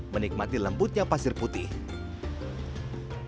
menikmati lembutnya pasir putihnya